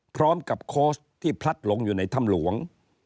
พร้อมกับโค้ชที่พลัดหลงอยู่ในถ้ำหลวง